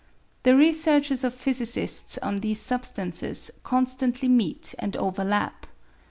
The researches of physicists on these substances constantly meet and overlap.